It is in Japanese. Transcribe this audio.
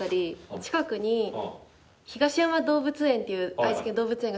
近くに東山動物園っていう愛知県動物園が。